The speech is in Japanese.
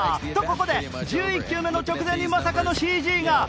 と、ここで１１球目の直前に、まさかのＣＧが！